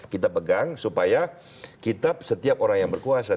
kita pegang supaya kita setiap orang yang berkuasa